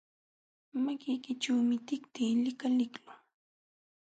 Makiykićhuumi tikti likaliqlun.